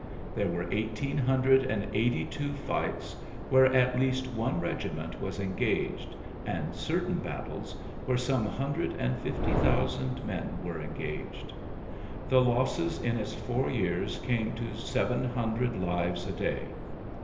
There were eighteen hundred and eighty two fights where at least one regiment was en ) gaged, and certain battles where some hundred and fifty thousand men were engaged. The losses in its four years come to seven hundred lives a day.